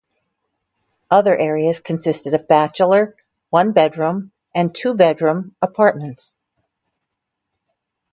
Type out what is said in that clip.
Other areas consisted of bachelor, one-bedroom, and two-bedroom apartments.